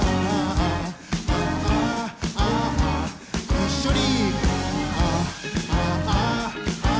一緒に！